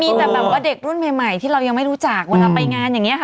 มีแต่แบบว่าเด็กรุ่นใหม่ที่เรายังไม่รู้จักเวลาไปงานอย่างนี้ค่ะ